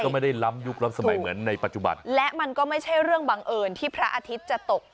ก็ไม่ได้ล้ำยุคล้ำสมัยเหมือนในปัจจุบันและมันก็ไม่ใช่เรื่องบังเอิญที่พระอาทิตย์จะตก